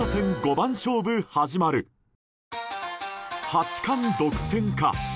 八冠独占か。